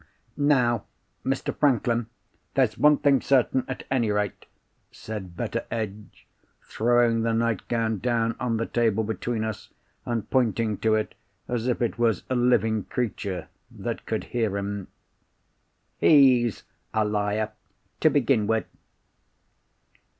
"Now, Mr. Franklin, there's one thing certain, at any rate," said Betteredge, throwing the nightgown down on the table between us, and pointing to it as if it was a living creature that could hear him. "He's a liar, to begin with."